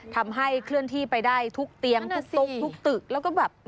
ทำให้เคลื่อนที่ไปได้ทุกเตียงทุกซุกทุกตึกแล้วก็แบบ